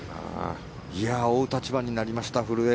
追う立場になりました古江。